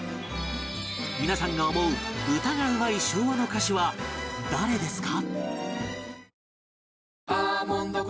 皆さんが思う歌がうまい昭和の歌手は誰ですか？